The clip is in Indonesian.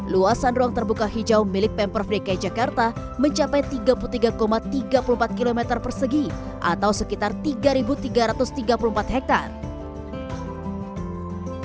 luasan ruang terbuka hijau milik pemprov dki jakarta mencapai tiga puluh tiga tiga puluh empat km persegi atau sekitar tiga tiga ratus tiga puluh empat hektare